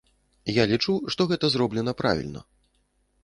Я лічу, што гэта зроблена правільна.